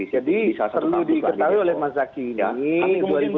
jadi perlu diketahui oleh mas zaky ini dua ribu tiga belas itu